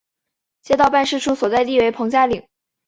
街道办事处所在地为棚下岭。